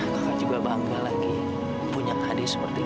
kakak juga bangga lagi punya kakak seperti kau